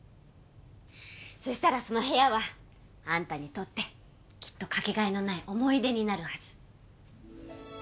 そしたらその部屋はアンタにとってきっとかけがえのない思い出になるはず。